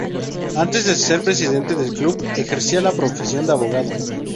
Antes de ser presidente del club, ejercía la profesión de abogado.